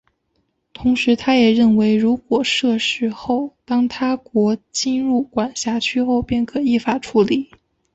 同时他也认为如果设市后当他国侵入管辖区后便可依法处理。